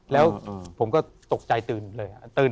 แล้วผมก็ตกใจตื่นเลยครับ